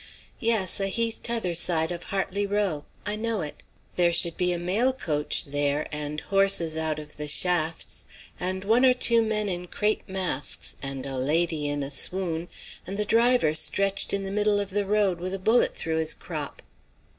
"Yes, a heath t'other side of Hartley Row; I know it. There should be a mail coach there, and the horses out of the shafts, and one or two men in crape masks and a lady in a swoon, and the driver stretched in the middle of the road with a bullet through his crop."